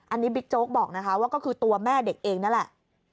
อันนี้บิ๊กโจ๊กบอกนะคะว่าก็คือตัวแม่เด็กเองนั่นแหละ